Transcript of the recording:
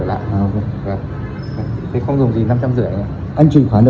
dạ được quay thẻ được quay khoản được